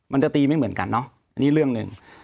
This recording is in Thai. มันจะตีไม่เหมือนกันเนาะอันนี้เรื่องหนึ่ง